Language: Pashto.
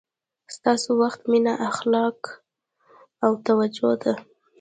ستاسو وخت، مینه، علاقه او توجه ده.